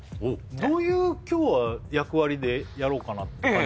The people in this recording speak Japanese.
どういう今日は役割でやろうかなって感じ？